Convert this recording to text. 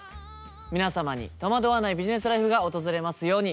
皆様に戸惑わないビジネスライフが訪れますように。